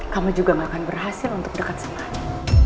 kamu juga gak akan berhasil untuk dekat sama